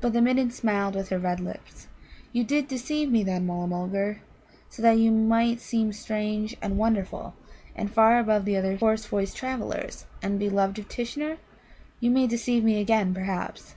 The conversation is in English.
But the Midden smiled with her red lips. "You did deceive me, then, Mulla mulgar, so that you might seem strange and wonderful, and far above the other hoarse voiced travellers, the beloved of Tishnar? You may deceive me again, perhaps.